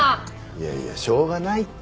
いやいやしょうがないって。